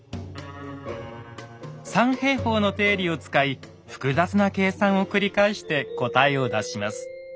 「三平方の定理」を使い複雑な計算を繰り返して答えを出します。